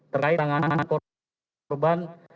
terkait tangan korban